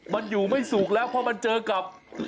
มันอยู่ไม่สุกแล้วเพราะมันเจอกับ